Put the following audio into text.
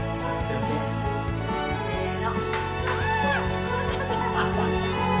せの。